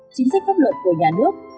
chính sách pháp luật của nhà nước